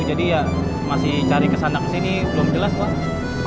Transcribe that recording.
jadi ya masih cari kesana kesini belum jelas wah